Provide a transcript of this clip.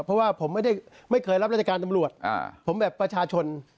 ผมไม่เคยรับรัฐการณ์ตำรวจผมแบบประชาชน